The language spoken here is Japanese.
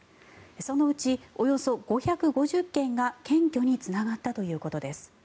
そのうちおよそ５５０件が検挙につながったということです。